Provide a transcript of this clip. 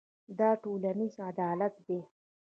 دا ټولنیز عدالت دی.